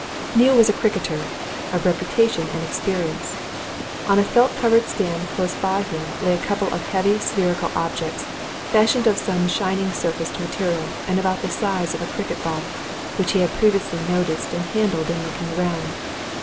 Neale was a cricketer of reputation and experience. On a felt covered stand close by him lay a couple of heavy spherical objects, fashioned of some shining surfaced metal and about the size of a cricket ball, which he had previously noticed and handled in looking round.